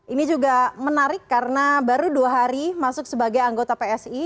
ini juga menarik karena baru dua hari masuk sebagai anggota psi